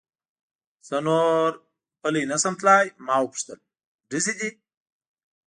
زه نور پلی نه شم تلای، ما و پوښتل: ډزې دي؟